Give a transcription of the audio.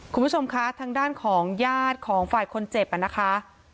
คุณผู้ชมคะทางด้านของญาติของฝ่ายคนเจ็บนะคะ